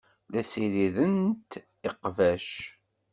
La ssirident iqbac.